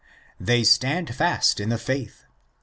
They stand fast in the faith (1.